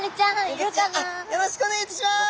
よろしくお願いします。